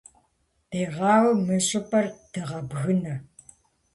Дегъауи мы щӀыпӀэр дыгъэбгынэ.